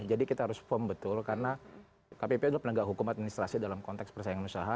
jadi kita harus paham betul karena kpp adalah penegak hukum administrasi dalam konteks persaingan usaha